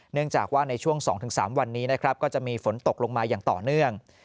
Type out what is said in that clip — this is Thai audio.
เนื่องจากว่าในช่วง๒๓วันนี้นะครับก็จะมีฝนตกลงมาอย่างต่อเนื่อง